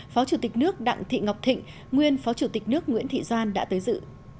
phó chủ tịch nước đặng thị ngọc thịnh nguyên phó chủ tịch nước nguyễn thị doan đã tới dự